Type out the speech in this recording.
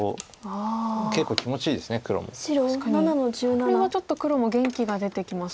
これはちょっと黒も元気が出てきますか？